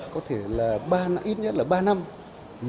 có thể là ít nhất là ba năm